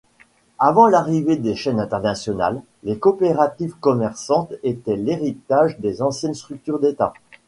Avant l'arrivée des chaînes internationales, les coopératives commerçantes étaient l'héritage des anciennes structures d'état.